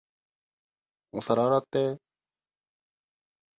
お皿洗って。